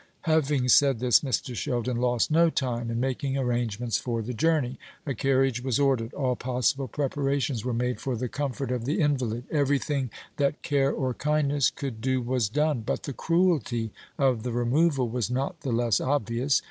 Having said this, Mr. Sheldon lost no time in making arrangements for the journey. A carriage was ordered; all possible preparations were made for the comfort of the invalid everything that care or kindness could do was done; but the cruelty of the removal was not the less obvious.